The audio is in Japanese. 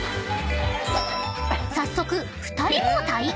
［早速２人も体験］